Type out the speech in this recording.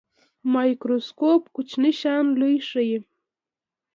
مایکروسکوپ کوچني شیان لوی ښيي